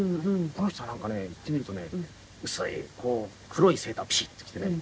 この人はなんかね言ってみるとね薄い黒いセーターをピシッと着てね